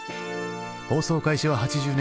放送開始は８０年代。